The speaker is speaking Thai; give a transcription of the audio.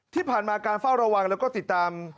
ที่ผ่านมาการเฝ้าระวังแล้วก็ติดตาม